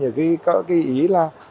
những cái ý là